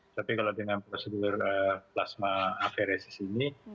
tapi kalau dengan prosedur plasma aferesis ini